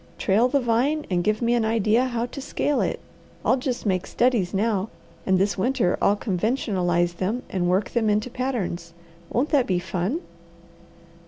"Trail the vine and give me an idea how to scale it. I'll just make studies now, and this winter I'll conventionalize them and work them into patterns. Won't that be fun?"